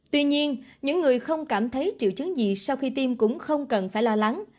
tuy nhiên những người không cảm thấy triệu chứng gì sau khi tiêm cũng không cần phải lo lắng